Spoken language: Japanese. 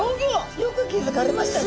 よく気付かれましたね。